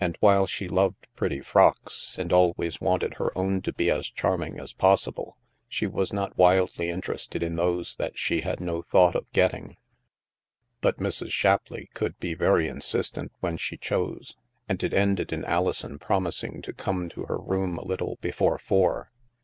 And while she loved pretty frocks and al ways wanted her own to be as charming as possible, she was not wildly interested in those that she had no thought of getting. But Mrs. Shapleigh could be very insistent when she chose, and it ended in Alison promising to come to her room a little before four.